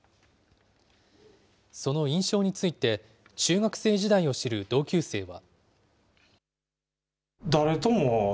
その印象について、中学生時代を知る同級生は。